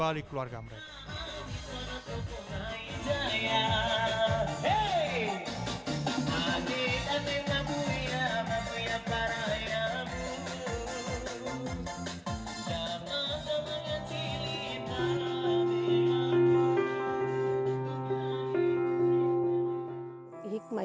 saat ini adalah musim ketika gimana sih